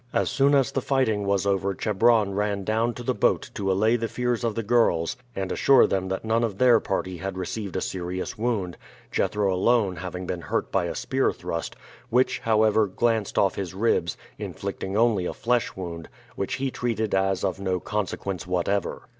As soon as the fighting was over Chebron ran down to the boat to allay the fears of the girls and assure them that none of their party had received a serious wound, Jethro alone having been hurt by a spear thrust, which, however, glanced off his ribs, inflicting only a flesh wound, which he treated as of no consequence whatever.